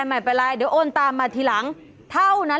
เดี๋ยวโอนตามมาทีหลังเท่านั้น